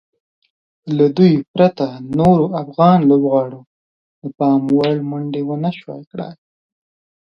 له دوی پرته نورو افغان لوبغاړو د پام وړ منډې ونشوای کړای.